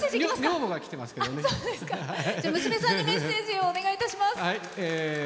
娘さんにメッセージをお願いいたします。